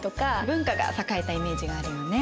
文化が栄えたイメージがあるよね。